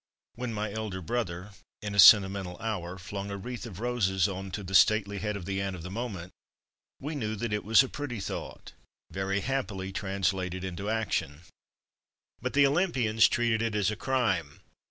When my elder brother, in a sentimental hour, flung a wreath of roses on to the stately head of the aunt of the moment, we knew that it was a pretty thought, very happily trans lated into action ; but the Olympians treated it as a crime.